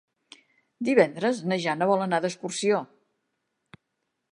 Divendres na Jana vol anar d'excursió.